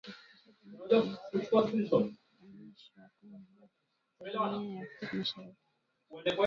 Kuhakikisha Jamhuri ya kidemokrasia ya Kongo inaunganishwa kwenye vyombo vya Jumuiya ya Afrika Mashariki.